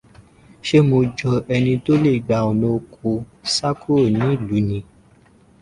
Ṣé mo jọ ẹni tó lè gba ọ̀nà oko sá kúrò ní ìlú ni?